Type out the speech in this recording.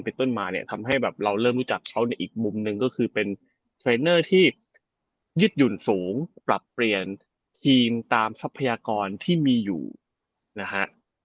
เป็นต้นมาเนี่ยทำให้แบบเราเริ่มรู้จักเขาในอีกมุมหนึ่งก็คือเป็นเทรนเนอร์ที่ยึดหยุ่นสูงปรับเปลี่ยนทีมตามทรัพยากรที่มีอยู่นะฮะ